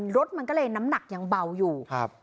รถมันก็เลยน้ำหนักยังเบาอยู่